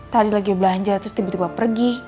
tadi lagi belanja terus tiba tiba pergi